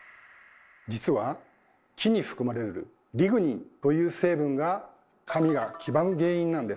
実は木に含まれる「リグニン」という成分が紙が黄ばむ原因なんです。